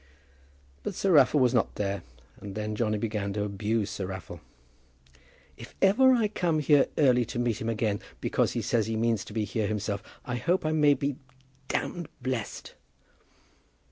But Sir Raffle was not there, and then Johnny began to abuse Sir Raffle. "If ever I come here early to meet him again, because he says he means to be here himself, I hope I may be blessed."